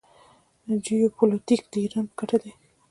جیوپولیټیک د ایران په ګټه دی.